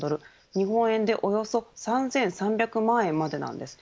日本円でおよそ３３００万円までなんです。